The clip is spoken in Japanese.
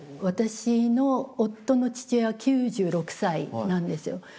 私の夫の父親は９６歳なんですよ。